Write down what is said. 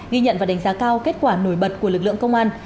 ghi nhận và đánh giá cao kết quả nổi bật của lực lượng công an